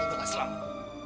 dia udah gak selamat